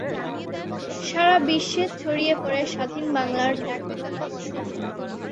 সারা বিশ্বে ছড়িয়ে পড়ে স্বাধীন বাংলার ডাকটিকিট।